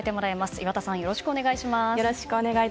岩田さん、よろしくお願いします。